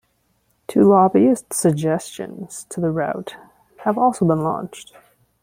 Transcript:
Two lobbyist suggestions to the route have also been launched.